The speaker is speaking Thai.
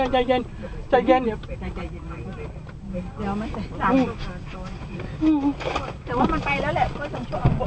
ใจเย็น